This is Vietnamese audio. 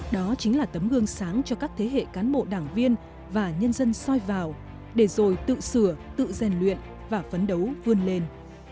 đó chính là tấm gương sáng cho các thế hệ cán bộ đảng viên và nhân dân soi vào để rồi tự sửa tự rèn luyện và phấn đấu vươn lên